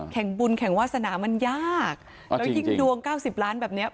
แข่งบุญแข่งวาสนามันยากแล้วยิ่งดวง๙๐ล้านแบบนี้